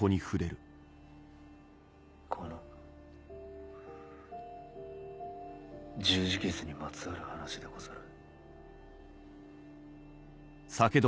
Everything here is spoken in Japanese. この十字傷にまつわる話でござる。